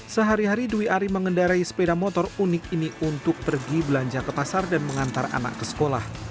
sehari hari dwi ari mengendarai sepeda motor unik ini untuk pergi belanja ke pasar dan mengantar anak ke sekolah